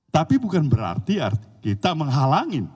tapi bukan berarti kita menghalangin